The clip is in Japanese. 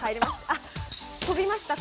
あっ飛びました？